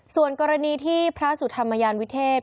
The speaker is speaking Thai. ส่วนกรณีที่พระสุธรรมยานวิเทศ